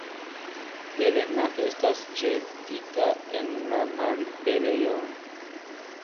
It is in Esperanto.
Helena estas ĵetita en la malliberejon.